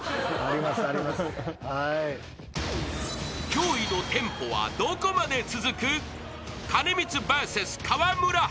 ［驚異のテンポはどこまで続く？］